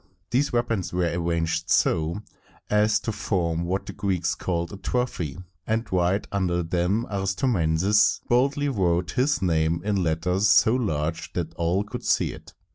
These weapons were arranged so as to form what the Greeks called a trophy, and right under them Aristomenes boldly wrote his name in letters so large that all could see it.